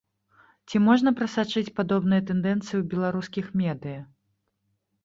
Ці можна прасачыць падобныя тэндэнцыі ў беларускіх медыя?